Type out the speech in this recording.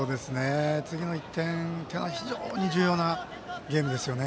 次の１点は非常に重要なゲームですよね。